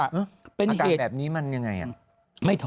อาการแบบนี้มันยังไง